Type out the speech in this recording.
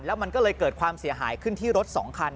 แล้วมันก็เลยเกิดความเสียหายขึ้นที่รถ๒คัน